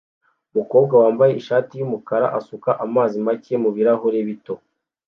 Umukobwa wambaye ishati yumukara asuka amazi make mubirahure bito